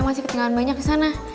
masih ketinggalan banyak disana